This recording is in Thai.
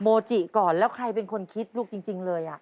โมจิก่อนแล้วใครเป็นคนคิดลูกจริงเลย